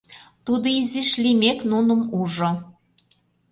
Тудо изиш лиймек нуным ужо.